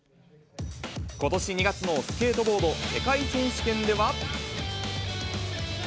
ことし２月のスケートボード世界選手権では。